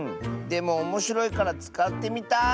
でもおもしろいからつかってみたい。